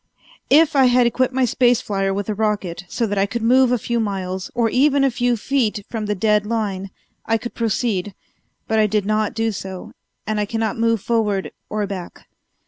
If I had equipped my space flier with a rocket so that I could move a few miles, or even a few feet, from the dead line, I could proceed, but I did not do so, and I cannot move forward or back.